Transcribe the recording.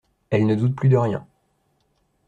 Elles ne doutent plus de rien.